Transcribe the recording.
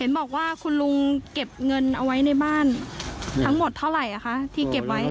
บอกว่าคุณลุงเก็บเงินเอาไว้ในบ้านทั้งหมดเท่าไหร่ที่เก็บไว้